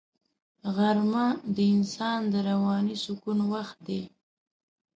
غرمه د انسان د رواني سکون وخت دی